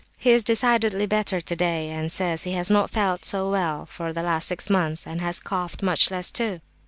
He is decidedly better today, and says he has not felt so well for the last six months, and has coughed much less, too."